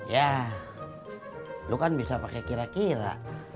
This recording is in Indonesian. ya lu kan bisa pakai kira kira